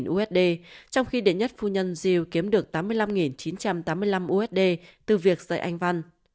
usd trong khi đến nhất phu nhân zeal kiếm được tám mươi năm chín trăm tám mươi năm usd từ việc dạy anh văn